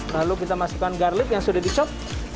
lalu kita masukkan garlic yang sudah di chop